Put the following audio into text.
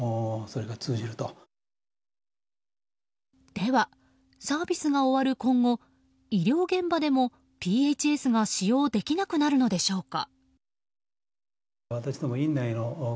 では、サービスが終わる今後医療現場でもＰＨＳが使用できなくなるのでしょうか。